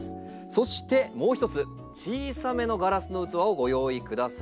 そしてもう一つ小さめのガラスの器をご用意ください。